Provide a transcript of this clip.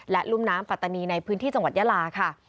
และรุ่มน้ำปัตตานีในพื้นที่จังหวัดยาลาค่ะ